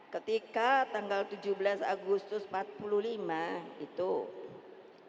ketika tanggal tujuh belas agustus seribu sembilan ratus empat puluh lima